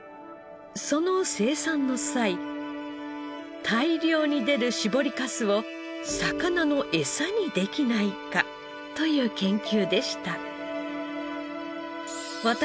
その生産の際大量に出る搾りかすを魚のエサにできないかという研究でした。